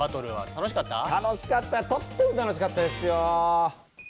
楽しかったとっても楽しかったですよ。